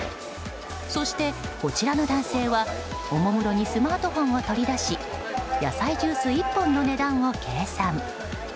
そして、こちらの男性はおもむろにスマートフォンを取り出し野菜ジュース１本の値段を計算。